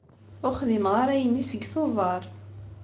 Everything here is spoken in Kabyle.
Ur xdimeɣ ara ayen-nni seg Tubeṛ.